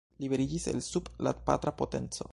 Liberiĝis el sub la patra potenco.